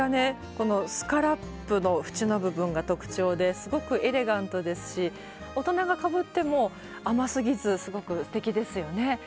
このスカラップの縁の部分が特徴ですごくエレガントですし大人がかぶっても甘すぎずすごくすてきですよね。